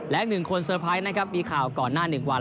และ๑คนเซอร์ไพรส์นะครับมีข่าวก่อนหน้า๑วัน